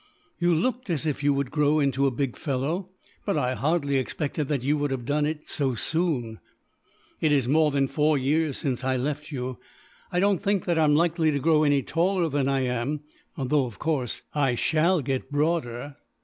"You looked as if you would grow into a big fellow, but I hardly expected that you would have done it so soon." "It is more than four years since I left you. I don't think that I am likely to grow any taller than I am; though of course, I shall get broader."